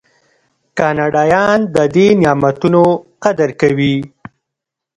کاناډایان د دې نعمتونو قدر کوي.